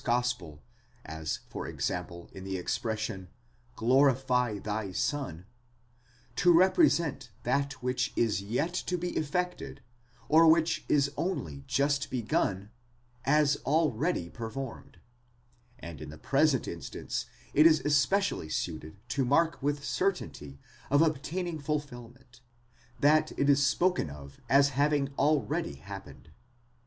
gospel, as for example in the expression glorify thy son, to represent that which is yet to be effected or which is only just begun, as already performed ; and in the present instance it is especially suited to mark the certainty of obtaining fulfilment, that it is spoken of as having already happened.